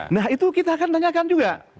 nah itu kita akan tanyakan juga